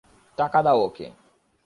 টাকা দাও ওকে।